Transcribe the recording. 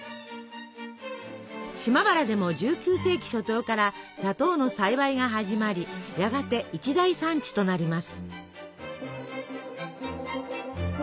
島原でも１９世紀初頭から砂糖の栽培が始まりやがて一大産地となります。